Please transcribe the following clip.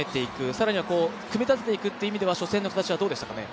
更には組み立てていくっていうことでは初戦の形はどうでしたかね？